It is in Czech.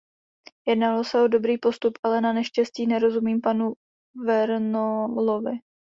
Jednalo se o dobrý postup, ale naneštěstí nerozumím panu Vernolovi.